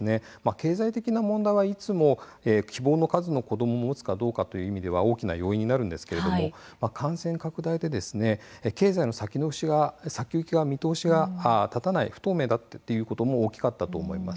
経済的な問題はいつも希望の数の子どもを持つかどうかを決める大きな要因になるんですが感染拡大で経済の先行きの見通しが不透明になっていることも大きかったと思います。